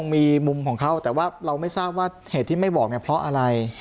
มีมุมของเขาแต่ว่าเราไม่ทราบว่าเหตุที่ไม่บอกเนี่ยเพราะอะไร